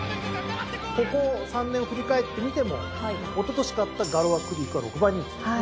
ここ３年を振り返ってみてもおととし勝ったガロアクリークは６番人気。